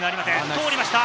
通りました。